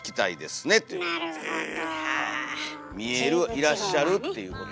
いらっしゃるっていうこと。